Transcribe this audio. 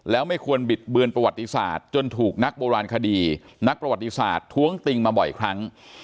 แล้วไม่ควรบิดเบือนประวัติศาสตร์จนถูกนักโบราณคดีนักประวัติศาสตร์ท้วงติงมาบ่อยครั้ง